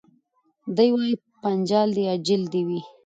دی وايي پنچال دي اجل دي وي